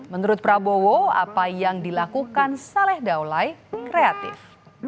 menurut prabowo apa yang dilakukan saleh daulai kreatif